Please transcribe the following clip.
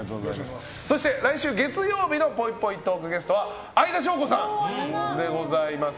そして来週月曜日のぽいぽいトークゲストは相田翔子さんでございます。